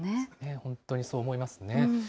本当にそう思いますね。